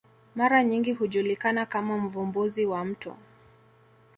mara nyingi hujulikana kama mvumbuzi wa mto